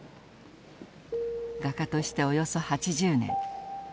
画家としておよそ８０年。